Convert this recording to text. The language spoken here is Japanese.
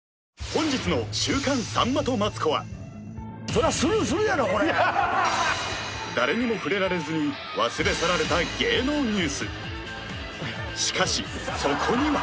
本日の「週刊さんまとマツコ」は誰にも触れられずに忘れ去られた芸能ニュースしかしそこには！